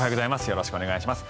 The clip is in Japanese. よろしくお願いします。